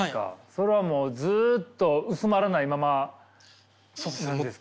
それはもうずっと薄まらないままなんですか？